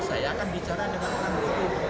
saya akan bicara dengan orang tua